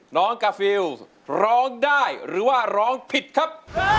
กาฟิลร้องได้หรือว่าร้องผิดครับ